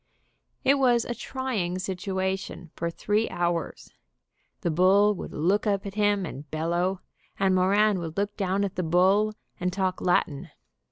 It was a trying situation for three hours. The bull would look up at him and bellow, and Moran would look down at the bull and talk Latin.